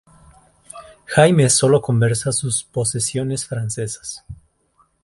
Jaime sólo conserva sus posesiones francesas.